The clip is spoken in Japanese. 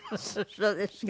そうですか。